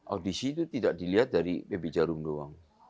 audisi itu tidak dilihat dari pb jarum doang